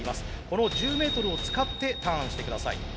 この１０メートルを使ってターンして下さい。